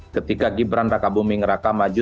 ketika gibran raka bumingraka maju